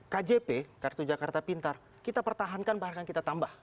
kjp kartu jakarta pintar kita pertahankan bahkan kita tambah